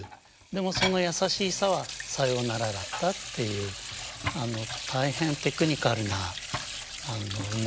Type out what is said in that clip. でもその優しい「さ」は「さようなら」だったっていう大変テクニカルなうまい歌ですね。